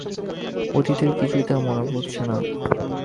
অতীতের কিছুই তার মনে পড়ছে না।